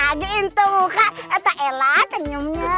pak gakak ke lagi entah muka atau elah tanyamnya